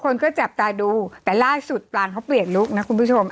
คนก็จับตาดูแต่ล่าสุดปลานเขาเปลี่ยนลุคนะคุณผู้ชม